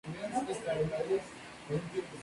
La música original fue compuesta por Claudio Jácome.